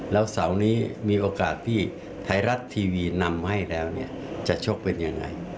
แล้วเสาร์นี้มีโอกาสที่ไทยรัฐทีวีนำให้แล้วเนี่ยจะชกเป็นยังไง